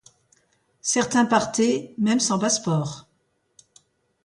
Certains partaient même sans passeport.